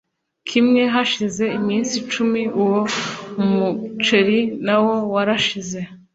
kimwe Hashize iminsi icumi uwo muceri na wo warashize